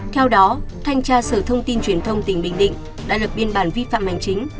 theo đó thanh tra sở thông tin truyền thông tỉnh bình định đã lập biên bản vi phạm hành chính